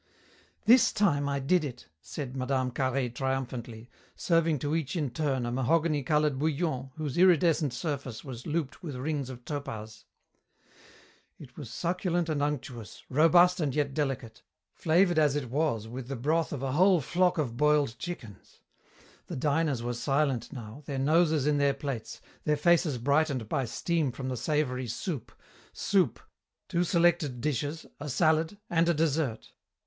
"This time I did it!" said Mme. Carhaix triumphantly, serving to each in turn a mahogany colour bouillon whose iridescent surface was looped with rings of topaz. It was succulent and unctuous, robust and yet delicate, flavoured as it was with the broth of a whole flock of boiled chickens. The diners were silent now, their noses in their plates, their faces brightened by steam from the savoury soup, soup, two selected dishes, a salad, and a dessert.